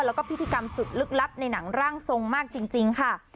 แล้วก็พิธีกรรมสุดลึกลับในหนังร่างทรงมากจริงค่ะ